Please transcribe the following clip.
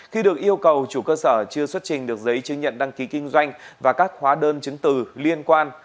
khi được yêu cầu chủ cơ sở chưa xuất trình được giấy chứng nhận đăng ký kinh doanh và các hóa đơn chứng từ liên quan